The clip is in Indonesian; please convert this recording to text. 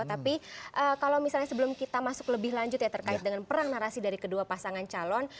tapi kalau misalnya sebelum kita masuk lebih lanjut ya terkait dengan perang narasi dari kedua pasangan calon